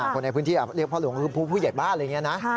คนในพื้นที่เรียกพ่อหลวงคือผู้ใหญ่บ้านอะไรอย่างนี้นะ